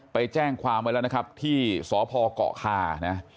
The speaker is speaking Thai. ไปแจ้งความไว้แล้วที่สพเกาะคา